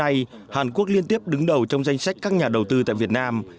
đại sứ hàn quốc đứng đầu trong danh sách các nhà đầu tư tại việt nam